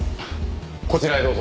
こちらへどうぞ。